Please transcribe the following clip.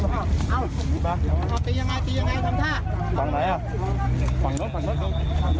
เอ้าตียังไงตียังไงทำท่าฝั่งไหนอ่ะฝั่งรถฝั่งรถเขา